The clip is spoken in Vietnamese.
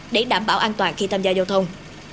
để đảm bảo an toàn khi tham gia giao thông